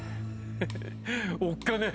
おっかねえ！